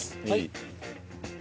はい！